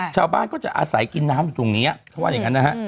ชาวบ้านก็จะอาศัยกินน้ำอยู่ตรงนี้เขาว่าอย่างนั้นนะฮะ